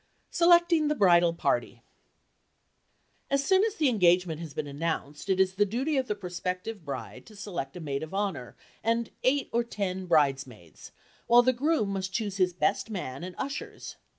SELECTING THE BRIDAL PARTY AS soon as the engagement has been announced it is the duty of the prospective bride to select a maid of honor and eight or ten bridesmaids, while the groom must choose his best man and ushers.